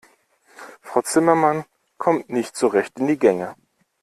Frau Zimmermann kommt nicht so recht in die Gänge.